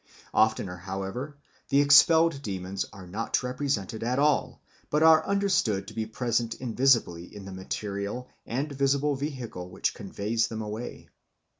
Oftener, however, the expelled demons are not represented at all, but are understood to be present invisibly in the material and visible vehicle which conveys them away.